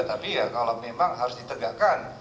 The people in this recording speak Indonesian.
tapi ya kalau memang harus ditegakkan